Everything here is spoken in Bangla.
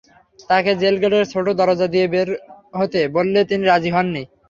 তাঁকে জেলগেটের ছোট দরজা দিয়ে বের হতে বললে তিনি রাজি হননি।